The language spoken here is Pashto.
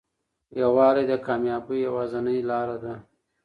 یووالی د کامیابۍ یوازینۍ لاره ده.